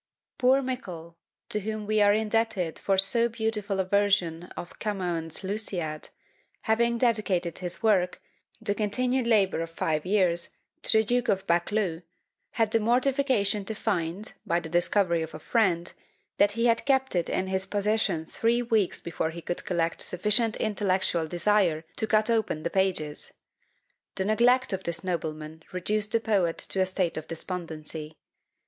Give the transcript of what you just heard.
Poor Mickle, to whom we are indebted for so beautiful a version of Camoens' Lusiad, having dedicated this work, the continued labour of five years, to the Duke of Buccleugh, had the mortification to find, by the discovery of a friend, that he had kept it in his possession three weeks before he could collect sufficient intellectual desire to cut open the pages! The neglect of this nobleman reduced the poet to a state of despondency.